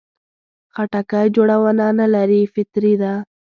خټکی جوړونه نه لري، فطري ده.